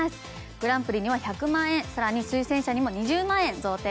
グランプリには１００万円さらに推薦者にも２０万円贈呈です。